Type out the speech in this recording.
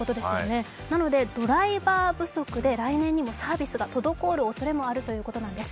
なので、ドライバー不足で来年にもサービスが滞るおそれがあるということなんです。